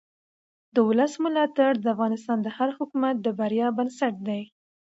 د ولس ملاتړ د افغانستان د هر حکومت د بریا بنسټ دی